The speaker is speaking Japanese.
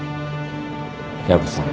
薮さん。